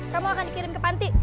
kamu akan dikirim ke panti